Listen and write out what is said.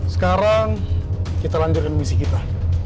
sekarang kita lanjutkan misi kita